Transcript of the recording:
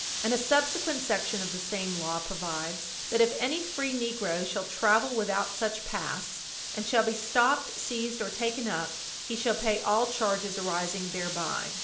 And a subsequent section of the same law provides that if any free negro shall travel without such pass, and shall be stopped, seized, or taken up, he shall pay all charges arising thereby.